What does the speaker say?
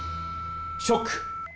ショック！